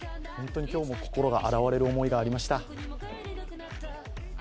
本当に今日も心が洗われる思いがありました。